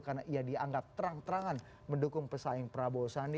karena ia dianggap terang terangan mendukung pesaing prabowo subianto